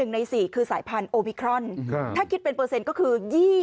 ใน๔คือสายพันธุมิครอนถ้าคิดเป็นเปอร์เซ็นต์ก็คือ๒๐